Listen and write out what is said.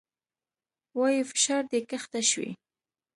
وايي فشار دې کښته شوى.